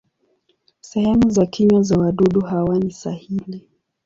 Sehemu za kinywa za wadudu hawa ni sahili.